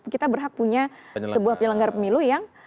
kita berhak punya sebuah penyelenggara pemilu yang